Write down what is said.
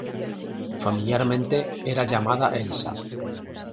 Familiarmente, era llamada "Elsa".